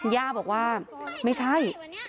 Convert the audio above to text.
ย่าบอกว่าไม่ใช่